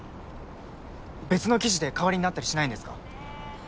別の生地で代わりになったりしないんですか？